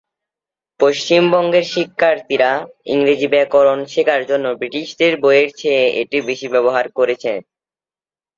পশ্চিমবঙ্গের শিক্ষার্থীরা ইংরেজি ব্যাকরণ শেখার জন্য ব্রিটিশদের বইয়ের চেয়ে এটি বেশি ব্যবহার করেছে।